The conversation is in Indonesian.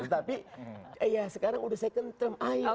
tapi eh ya sekarang udah second term ayo